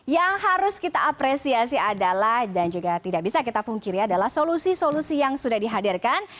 yang harus kita apresiasi adalah dan juga tidak bisa kita pungkiri adalah solusi solusi yang sudah dihadirkan